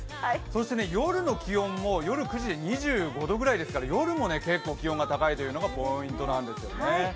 そして夜の気温も夜９時、２５度ぐらいですから夜も結構気温が高いというのがポイントなんですよね。